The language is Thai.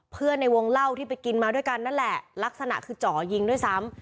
ในวงเล่าที่ไปกินมาด้วยกันนั่นแหละลักษณะคือเจาะยิงด้วยซ้ำ